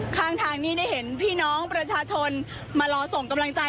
ข้างทางนี้ได้เห็นพี่น้องประชาชนมารอส่งกำลังใจ